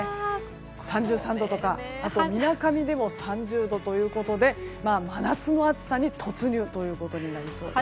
３３度とかみなかみでも３０度ということで真夏の暑さに突入ということになりそうです。